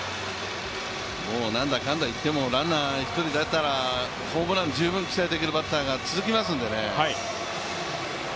もう何だかんだ言ってもランナー１人出たらホームラン、十分打てるバッターが続きますので。